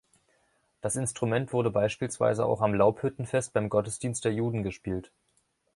Das Instrument wurde beispielsweise auch am Laubhüttenfest beim Gottesdienst der Juden gespielt.